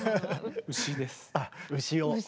あっ牛を。